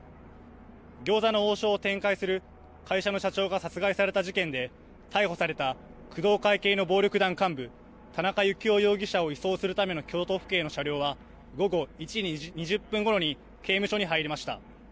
餃子の王将を展開する会社の社長が殺害された事件で逮捕された工藤会系の暴力団幹部、田中幸雄容疑者を移送するための京都府警の車両は午後１時２０分ごろに刑務所に入りました。